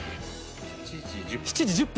７時１０分。